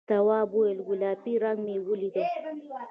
تواب وویل گلابي رنګ مې ولید.